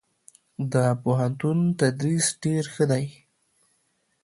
دپوهنتون تدريس ډير ښه دی.